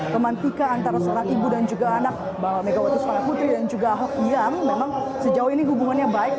secara ibu dan juga anak mbak megawati suwana putri dan juga ahok yang memang sejauh ini hubungannya baik